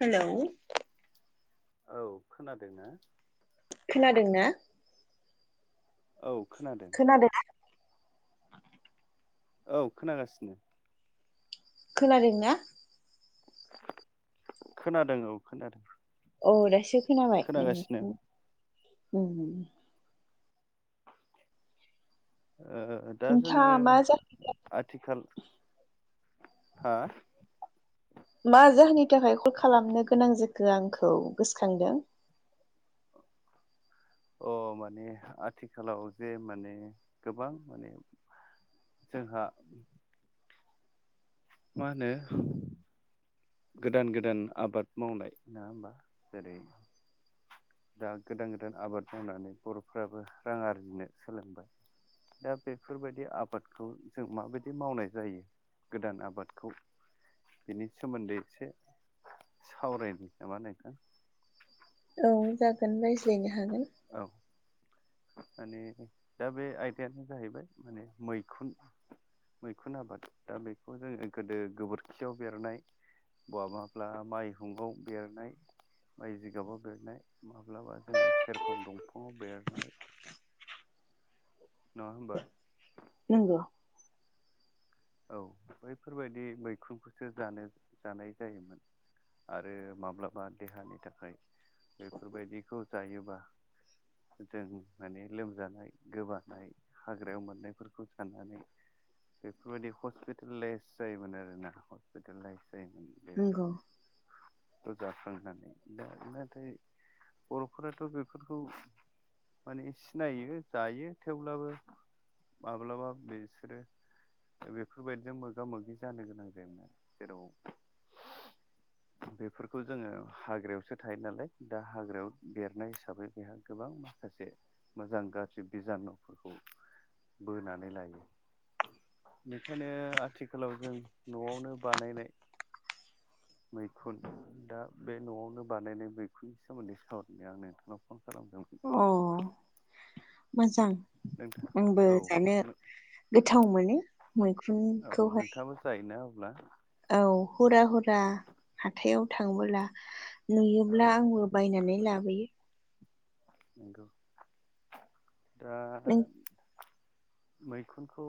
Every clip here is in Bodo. हेल' औ खोनादोंना खोनादों ना औ खोनादों न बे औ खोनागासिनो खोनादों ना खोनादों औ खोनादों। औ दासो खोनाबाय खोनागासिनो नोंनिखौ उम। ओ दा जोङो मा आथिखाल हा? मा जाहोननि थाखाय कल खालामनो गोनां जखो आंखौ गोसोखांदों अ माने आथिखालाव जे माने गोबां माने जोंहा मानो गोदान गोदान आबाद मावनाय नङा होमबा जेरै दा गोदान गोदान आबाद मावनानै बर'फ्राबो रां आरजिनो सोलोंबाय। दा बेफोरबायदि आबादखौ जों माबायदि मावनाय जायो। गोदान आबादखौ बिनि सोमोन्दै एसे सावरायनि नामा नोंथां। औ जागोन रायज्लायनो हागोन। औ माने दा बे आयदायानो जाहैबाय माने मैखुन मैखुन आबाद दा बेखौ जोङो गोदो गोबोरखियाव बेरनाय बहाबाफ्ला माइ हुंगाव बेरनाय माइ जिगाबाव बेरनाय माब्लाबा जोङो सेरफां दंफाङाव बेरनाय नङा होमबा? नोंगौ औ बैफोरबायदि मैखुनखौसो जानो जानाय जायोमोन आरो माब्लाबा देहानि थाखाय बेफोरबायदिखौ जायोबा। जों माने लोमजानाय गोबानाय हाग्रायाव मोननायफोरखौ साननानै बेफोरबायदि हस्पिटेलाइस जायोमोन आरोना हस्पिटेलाइस जायोमोन नंगौ बेयाव जाखांनानै दा नाथाय बर'फोराथ' बेफोरखौ माने सिनायो जायो थेवब्लाबो माब्लाबा बिसोरो बेफोरबायदिजों मोगा मोगि जानो गोनां जायोमोन आरो जेराव बेफोरखौ जोङो हाग्रायावसो थायो नालाय दा हाग्रायाव देरनाय हिसाबै बेहा गोबां सासे मोजां गाज्रि बिजानुफोरखौ बोनानै लायो बेखायनो आथिखालाव जों न'आवनो बानायनाय मैखुन दा बे न'आवनो बानायनाय मैखुननि सोमोन्दै सावरायनाय आं नोंथांनाव फन खालामदोंमोन। अ मोजां नोंथां आंबो औ जानो गोथाव मोनो औ मैखुनखौहाय नोंथाङाबो जायोना अब्ला औ हुरा हुरा हाथायाव थाङोब्ला औ नुयोब्ला आंबो बायनानै लाबोयो। नोंगौ दा नों मैखुनखौ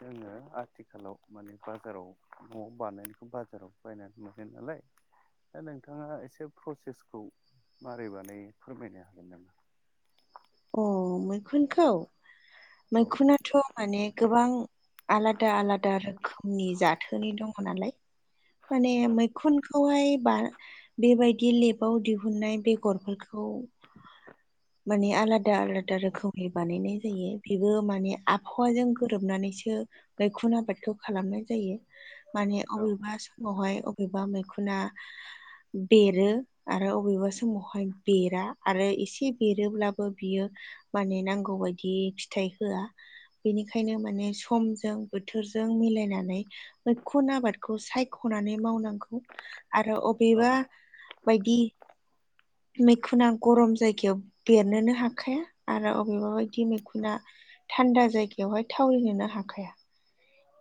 जोङो आथिखालाव माने बाजाराव न'आव बानायनायखौ बाजाराव बायनानै मोनो नालाय दा नोंथाङा एसे प्रसेसखौ मारै बानायो फोरमायनो हागोन नामा? अ मैखुनखौ औ मैखुनाथ' माने गोबां आलादा आलादा रोखोमनि जाथोननि दङ' नालाय माने औ मैखुन खौहाय बा बेबायदि लेबाव दिहुननाय बेगरफोरखौ माने आलादा आलादा रोखोमनि बानायनाय जायो बेबो माने आबहावाजों गोरोबनानैसो मैखुन आबादखौ खालामनाय जायो माने अबेबा समावहाय बबेबा मैखुना बेरो आरो अबेबा समावहाय बेरा आरो इसे एरोब्लाबो बियो माने नांगौ बायदि फिथाइ होआ। बेनिखायनो माने समजों बोथोरजों मिलायनानै मैखुन आबादखौ सायख'नानै मावनांगौ आरो अब औ बेबा बायदि मैखुना गरम जायगायाव बेरनोनो हाखाया आरो अबेबा बायदि मैखुना थान्दा जायगायावहाय थावरिनोनो हाखाया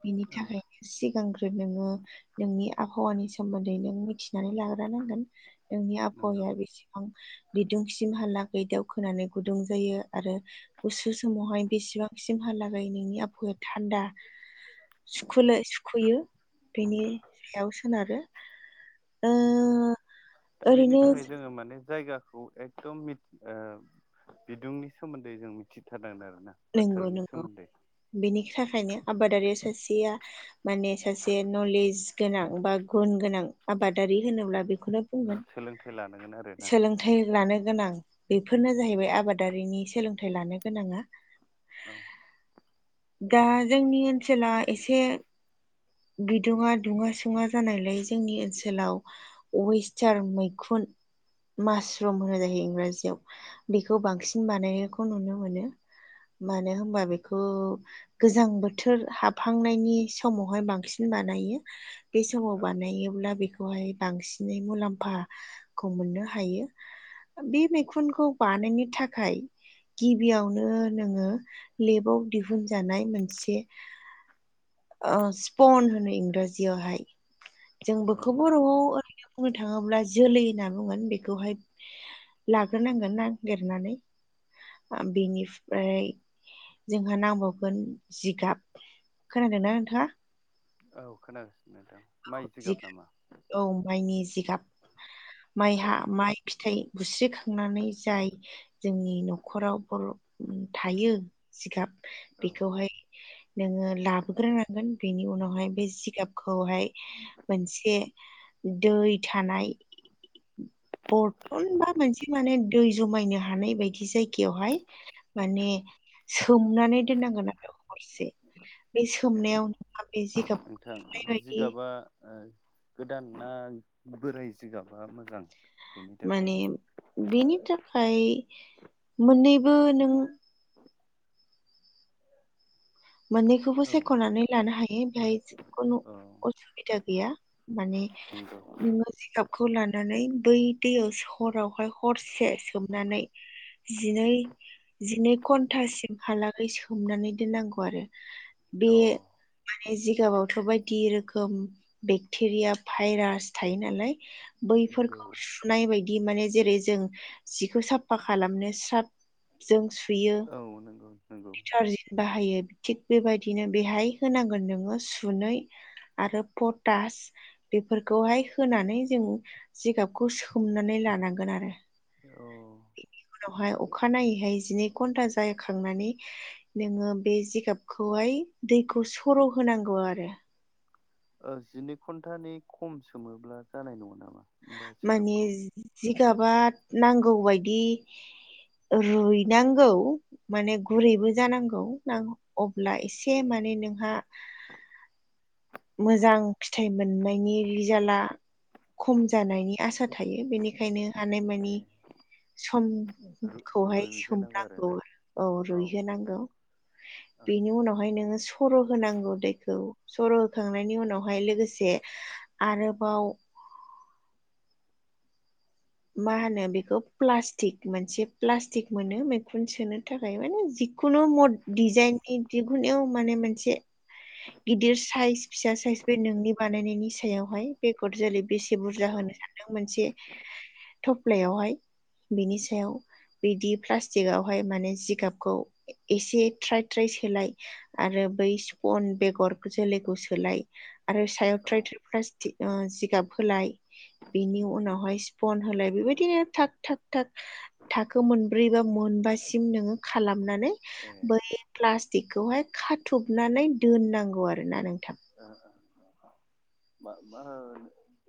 बिनि औ थाखायनो सिगांग्रो नोङो नोंनि आबहावानि सोमोन्दै नों मिथिनानै लाग्रो नांगोन। नोंनि नंगौ आबहावाया बेसेबां बिदुंसिमहालागै दावखोनानै गुदुं जायो आरो गुसु समावहाय बेसेबांसिमहालागै नोंनि आफहावाया थान्दा सुखुलाय सुखुयो बेनि सायाव सोनारो। ओ नंगौ दा बेनि ओरैनो थाखाय जोङो माने जायगा खौ एखदम मिथ ओ बिदुंनि सोमोन्दै जों मिथिथारनांगोन आरोना। नंगौ बोथोरनि नंगौ सोमोन्दै बेनि थाखायनो आबादारि सासेया माने सासे नलेज गोनां बा गुन गोनां आबादारि होनोब्ला बे बेखौनो बा बुंगोन सोलोंथाइ लानांगोन आरोना सोलों थाइ लानो गोनां बेफोरनो जाहैबाय आबादारिनि सोलोंथाइ लानो गोनाङा। औ दा जोंनि ओनसोला एसे बिदुङा दुङा सुंङा जानायलाय जोंनि ओनसोलाव वेस्टार मैखुन मासरुम होनो जायो इंराजियाव बेखौ उम बांसिन बानायनायखौ नुनो मोनो। मानो होमबा बेखौ गोजां बोथोर हाबहांनायनि समावहाय बांसिन बानायो। बे समाव औ बानायोब्ला बेखौहाय बांसिनै मुलाम्फाखौ मोननो हायो। ओ बे मैखुनखौ बानायनो थाखाय गिबियावनो नोङो लेबाव दिहुनजानाय मोनसे ओ स्पन होनो इंराजियावहाय। जों औ बेखौ नंगौ बर'आव ओरैनो बुंनो थाङोब्ला जोलै होनना बुंगोन बेखौहाय। लाग्रोनांगोन नागिरनानै ओ बेनिफ्रा य जोंहा नांबावगोन जिगाब खोनादोंना नोंथाङा? औ खोनादों नोंथां। माइ औ नामा जिगाब औ माइनि जिगाब ए माइहा माइ फिथाइ गुस्रिखांनानै जाय जोंनि न'खराव बर' थायो जिगाब औ बेखौहाय नोङो लाबोग्रोनांगोन बेनि उनावहाय बे जिगाबखौहाय मोनसे दै थानाय बरथन बा मोनसे माने दै जमायनो हानाय बायदि जायगायावहाय माने सोमनानै दोननांगोन आरो हरसे बे ए सोमनायाव नों बे नोंथां जिगाबखौ [unintelligible] जिगाबा ओ गोदान ना बोराय जिगाबा मोजां बेनि थाखाय माने बेनि थाखाय मोननैबो नों [inaudible] मोननैखौबो औ सायख'नानै लानो हायो बेहाय जिखुनु औ असुबिदा गैया माने नंगौ नोङो जिगाब खौ लानानै बै दैयाव सरावहाय हरसे सोमनानै जिनै जिनै घन्टासिमहालागै सोमनानै दोननांगौ नांगौ आरो बे अ माने जिगाबावथ' बायदि रोखोम बेक्टेरिया भाइरास थायो नालाय नंगौ बैफोरखौ सुनाय बायदि माने जेरै जों जिखौ साफा खालामनो स्राब जों सुयो औ नंगौ नंगौ दिटारजिन् बाहायो थिग बेबायदिनो बेहाय होनांगोन नोङो सुनै आरो पटास बेफोरखौहाय होनानै जों जिगाबखौ सोमनानै लानांगोन आरो औ बेनि उनावहाय अखानायनायैहाय जिनै घन्टा जाखांनानै नोङो बे जिगाबखौहाय दैखौ सर' होनांगौ आरो जिनै घन्टानि खम सोमोब्ला जानाय नङा नामा होमबा माने जिगाबखौ जिगाबा नांगौबायदि रुइनांगौ माने गुरैबो जानांगौ न अब्ला एसे माने नोंहा [unintelligible] मोजां फिथाइ मोननायनि रिजाल्टआ खम दानायनि आसा थायो बेनिखायनो हानायमानि ए समखौहाय रुइहोनांगौ सोमनांगौ आरोना औ रुइहोनांगौ [unintelligible] [unintelligible] बेनि उनावहाय नोङो सर' होनांगौ दैखौ सर' होखांनायनि उनावहाय लोगोसे आरोबाव मा होनो बेखौ प्लास्टिक मोनसे प्लास्टिक मोनो मैखुन सोनो थाखाय माने खुनु मद डिजाइननि दिहुननायाव माने मोनसे [unintelligible] [unintelligible] गिदिर साइज फिसा साइज बे नोंनि बानायनायनि सायावहाय बेगर जोलै बेसे बुरजा औ होनो सानो नों मोनसे थफ्लायावहाय बिनि सायाव बिदि प्लास्टिकआवहाय माने जिगाबखौ एसे ट्राय ट्राय सोलाय आरो बै स्पन बेगर जोलैखौ सोलाय आरो सायथ्राय औ प्लास्टिक जिगाब होलाय बेनि उनावहाय फन हलाय बेबायदिनो थख थख थख थाखो मोनब्रै बा मोनबासिम नोङो खालामनानै ए बै प्लास्टिकखौहाय खाथबनानै दोननांगौ आरोना नोंथां म मा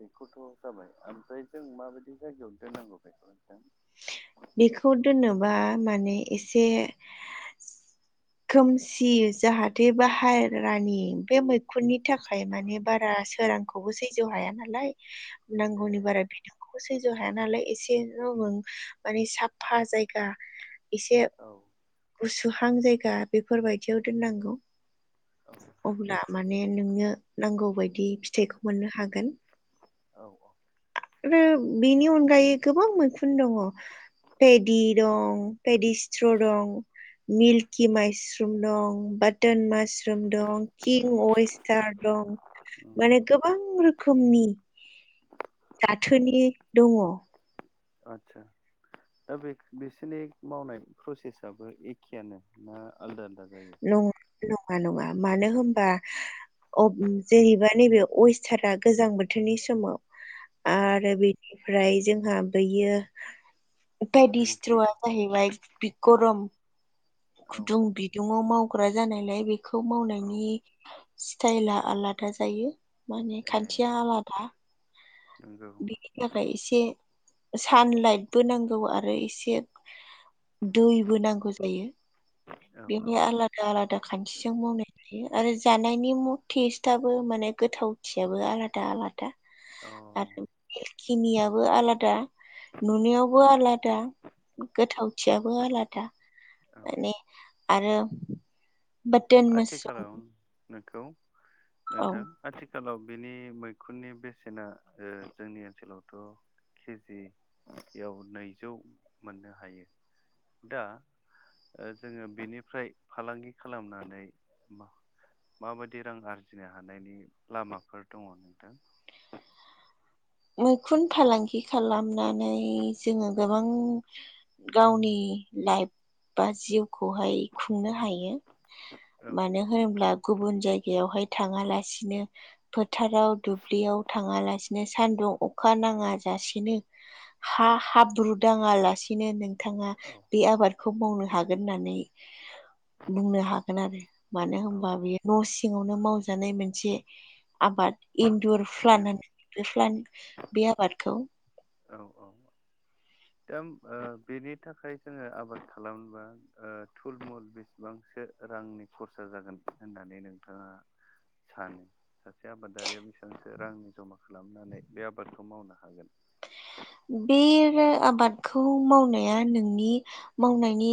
बेखौथ' जाबाय ओमफ्राय जों माबायदि जायगायावनो दोननांगौ बेखौ जों बेखौ दोननोबा माने एसे खोमसि जाहाथे बाहेरानि बे मैखुननि थाखाय माने बारा उम सोरां आंखौबो सैज्य हाया नालाय। [inaudible] नांगौनि बारा बिदुं सैज्य' हाया नालाय एसेल' नों माने साफा जायगा एसे औ गुसुहां जायगा बेफोरबायदियाव दोननांगौ। औ अब्ला माने नोंनो नांगौ बायदि फिथाइखौ मोननो हागोन। औ औ आरो बेनि अनगायै गोबां मैखुन दङ। पेदिि दं पेडिस्थ्र' दं मिल्कि माइसि मासरुम दं बाटोन उम मासरुम दं किं अेस्टार दं। उम माने गोबां रोखोमनि जाथोनि दङ। आदसा दा बे बिसोरनि मावनाय प्रसेसआबो एखेयानो ना आलदा आलदा जायो? नङा नङा मानो होनबा जेनेबा नैबे अेस्टारा गोजां बोथोरनि समाव औ आरो बेनिफ्राय जोंहा बैयो बायदि मिल्कि सिथ्रवा जाहैबाय बे गरम औ गुदुं बिदुुंवाव मावग्रा जानायलाय बेखौ औ मावनायनि स्टाइला आलादा जायो माने ए खान्थिया आलादा। नंगौ बिनि थाखाय एसे सानलाइटबो नांगौ आरो इसे दैबो नांगौ जायो औ औ बेहाय आलादा आलादा खान्थिजों मावनाय बि आरो जानायनि टेस्टबो माने गोथावथियाबो आलादा आलादा। औ आरोखिनियाबो आलादा नुनायावबो आलादा गोथावथियाबो आलादा औ माने आरो बाथोन मसरुम आथिखालाव नोंखौ औ नोंथां आथिखालाव बिनि मैखुननि बेसेना जोंनि ओ ओनसोलावथ' केजियाव नैजौ मोननो हायो। दा जोङो बिनिफ्राय फालांगिरिफोरा खालामनानै माबायदि रां आरजिनो हानायनि लामाफोर दङ नोंथां? मैखुन फालांगि खालामनानै जोङो गोबां गावनि लाइफ बा जिउखौहाय खुंनो हायो। औ मानो होनोब्ला गुबुन जायगा बेयावहाय थाङालासिनो फोथाराव दुब्लियाव थाङालासिनो सानदुं अखा नाङा जासेनो हा हाब्रु दाङा लासेनो नों बिथाङा औ बे आबादखौ मावनो हागोन होननानै बुंनो हागोन आरो। मानो औ होनबा बियो न' सिङावनो मावजानाय मोनसे आबाद इन्दुर औ फ्लान होनो बे फ्लान बे आबादखौ औ औ दा बेनि थाखाय जोङो आबाद खालामोबा थुलमुल बेसेबांसो रांनि खरसा जागोन होननानै नोंथाङा सानो सासे आबादारिया बेसेबांसो रांनि जमा खालामनानै बे आबादखौ मावनो हागोन। बे आबादखौ मावनाया नोंनि मावनायनि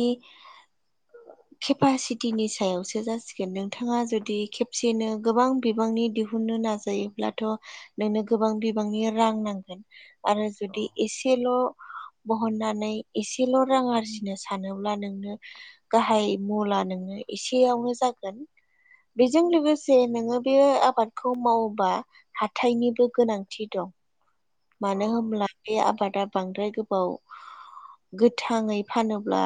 केपासिटिनि सायावसो जासिगोन नोंथाङा जुदि खेबसेनो गोबां बिबांनि दिहु नो नायोब्लाथ नोंनो गोबां बिबांनि रां नांगोन आरो अ जुदि एसे एसेल' बहननानै एसेल' रां आरजिनो सानोब्ला नोंनो गाहाय मुला नोंनो एसेयावनो जागोन। बेजों लोगोसे नोङो बे आबादखौ मावोबा हाथायनिबो गोनांथि दं। मानो होनब्ला बे आबादा बांद्राय गोबाव। गोथाङै फानोब्ला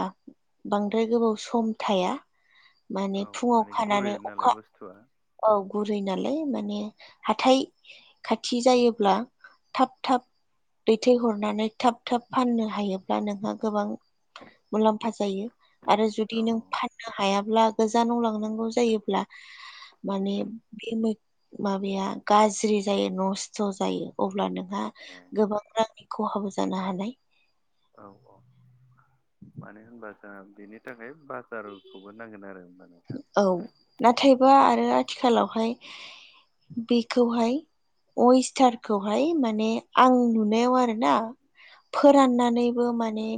बांद्राय गोबाव सम थाया। माने औ फुङाव माने गुरै खानानै नालाय अखा बुस्थुआ औ गुरै नालाय माने हाथाय खाथि जायोब्ला थाब थाब दैथायहरनानै थाब थाब फाननो हायोब्ला नोंहा गोबां। मुलाम्फा जायो आरो जुदि औ नों फाननो हायाब्ला गोजानाव लांनांगौ जायोब्ला माने बे माबाया गाज्रि जायो नस्थ' जायो अब्ला नों ए गोबां रांनि खहाबो जानो हानाय औ औ। मानो होनबा जोंहा बेनि थाखाय बाजारखौबो नांगोन आरो माने औ नाथायबा आरो आथिखालावहाय बेखौहाय अस्टारखौहाय माने आं नुनायाव आरो ना फोराननानैबो माने